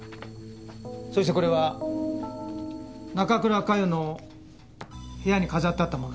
そしてこれは中倉佳世の部屋に飾ってあったものです。